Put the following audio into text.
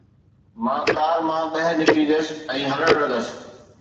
مان ڪار مان ٻاهر نڪري ويس ۽ هلڻ لڳس.